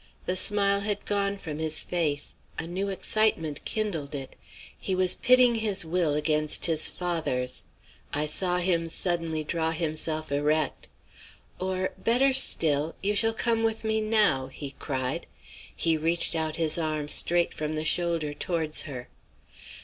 The smile had gone from his face; a new excitement kindled it. He was pitting his will against his father's. I saw him suddenly draw himself erect. 'Or, better still, you shall come with me now,' he cried. He reached out his arm straight from the shoulder towards her.